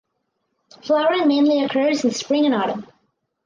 Flowering mainly occurs in spring and autumn.